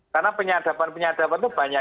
karena penyadapan penyadapan itu banyak